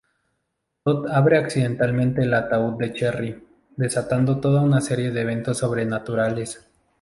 Tod abre accidentalmente el ataúd de Cherry, desatando toda una serie de eventos sobrenaturales.